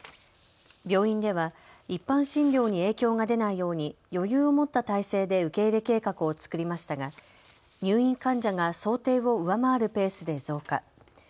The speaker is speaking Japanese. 病院では一般診療に影響が出ないように余裕を持った態勢で受け入れ計画を作りましたが入院患者が想定を上回るペースで増加。